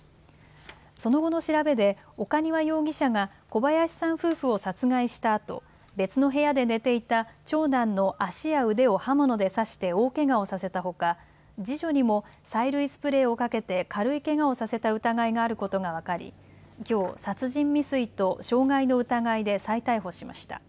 その後の調べで岡庭容疑者が小林さん夫婦を殺害したあと、別の部屋で寝ていた長男の足や腕を刃物で刺して大けがをさせたほか次女にも催涙スプレーをかけて軽いけがをさせた疑いがあることが分かりきょう殺人未遂と傷害の疑いで再逮捕しました。